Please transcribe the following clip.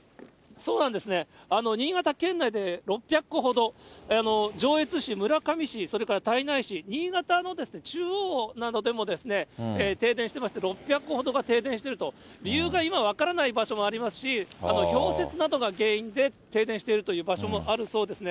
そうなんですね、新潟県内で６００戸ほど、上越市、村上市、それから胎内市、新潟の中央などでも、停電してまして、６００戸ほど停電してると、理由が分からない場所もありますし、氷雪などが原因で停電しているという場所もあるそうですね。